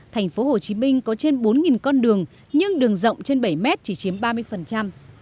thành phố hồ chí minh có trên bốn con đường nhưng đường rộng trên bảy mét chỉ chiếm ba mươi